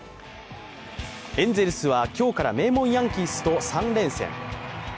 エンゼルスは今日から名門・ヤンキースと３連戦。